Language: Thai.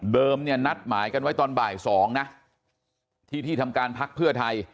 เนี่ยนัดหมายกันไว้ตอนบ่าย๒นะที่ที่ทำการพักเพื่อไทย